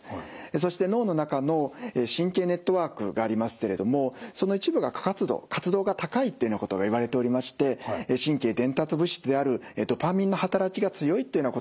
そして脳の中の神経ネットワークがありますけれどもその一部が過活動活動が高いというようなことがいわれておりまして神経伝達物質であるドパミンの働きが強いというようなことがいわれています。